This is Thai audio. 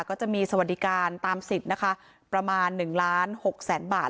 ก็จะมีสวัสดิการตามสิทธิ์นะคะประมาณ๑ล้าน๖แสนบาท